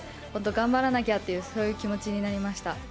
本当、頑張らなきゃというそういう気持ちになりました。